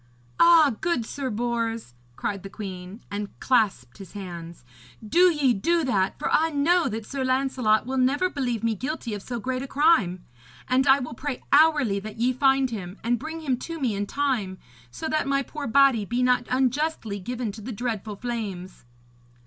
'Ah, good Sir Bors,' cried the queen, and clasped his hands. 'Do ye do that, for I know that Sir Lancelot will never believe me guilty of so great a crime. And I will pray hourly that ye find him and bring him to me in time, so that my poor body be not unjustly given to the dreadful flames.'